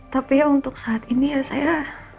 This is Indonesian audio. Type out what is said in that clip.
tapi untuk saat ini ya saya